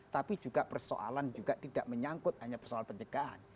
tapi juga persoalan juga tidak menyangkut hanya persoalan pencegahan